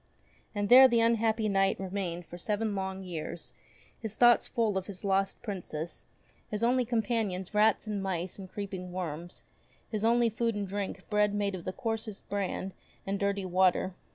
And there the unhappy Knight remained for seven long years, his thoughts full of his lost Princess ; his only companions rats and mice and creeping worms, his only food and drink bread made of the coarsest bran and dirty water.